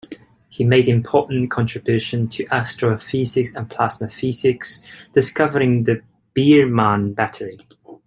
He made important contributions to astrophysics and plasma physics, discovering the Biermann battery.